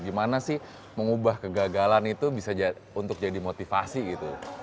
gimana sih mengubah kegagalan itu bisa untuk jadi motivasi gitu